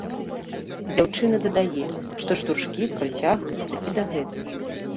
Дзяўчына дадае, што штуршкі працягваюцца і дагэтуль.